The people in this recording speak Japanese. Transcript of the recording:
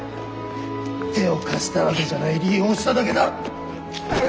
手を貸したわけじゃない利用しただけだ。